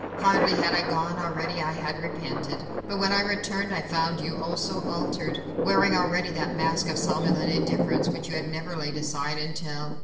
"Hardly had I gone, already I had repented. But when I returned, I found you, oh, so altered! wearing already that mask of somnolent indifference which you have never laid aside until